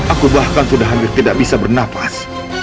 aku bahkan sudah hampir tidak bisa bernapas